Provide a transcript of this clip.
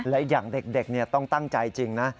และอย่างเด็กต้องตั้งใจจริงนะ